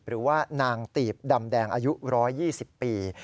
หรือว่านางตีบดำแดงอายุ๑๒๐ปี